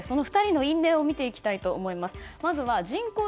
その２人の因縁を見ていきたいと思います。